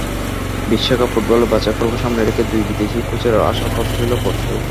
বিশ্বকাপ ফুটবলের বাছাইপর্ব সামনে রেখে দুই বিদেশি কোচের আসার কথা ছিল পরশু।